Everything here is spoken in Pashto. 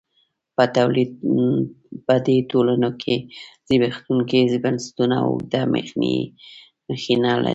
په دې ټولنو کې زبېښونکي بنسټونه اوږده مخینه لري.